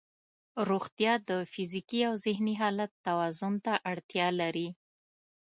روغتیا د فزیکي او ذهني حالت توازن ته اړتیا لري.